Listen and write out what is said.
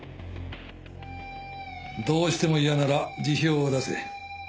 どうしても嫌なら辞表を出せ。